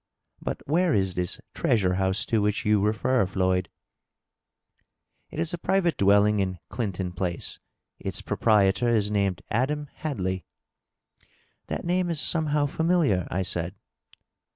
•. But where is this treasure house to which you refer, Floyd ?"" It is a private dwelling in Clinton Place ; its proprietor is named Adam Hadley.'' " That name is somehow familiar,*' I said.